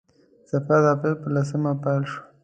سفر د اپریل په لسمه پیل شو.